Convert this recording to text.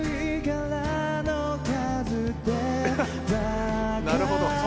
なるほど。